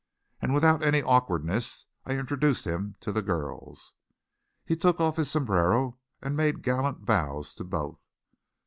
And without any awkwardness, I introduced him to the girls. He took off his sombrero and made gallant bows to both.